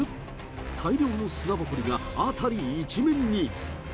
大量の砂ぼこりが辺り一面に。